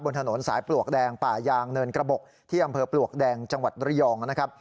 ถนนสายปลวกแดงป่ายางเนินกระบบที่อำเภอปลวกแดงจังหวัดระยองนะครับ